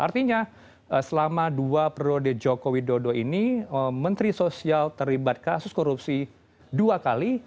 artinya selama dua periode jokowi dodo ini menteri sosial terlibat kasus korupsi dua kali